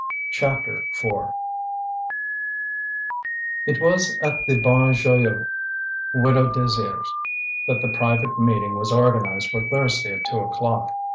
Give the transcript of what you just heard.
CHAPTER IV It was at the Bon Joyeux, Widow Désir's, that the private meeting was organized for Thursday at two o'clock.